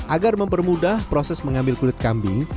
agar mempermudah proses mengambil kulit kambing